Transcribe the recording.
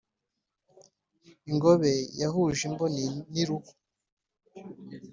ingobe yahuje imboni n’irugu.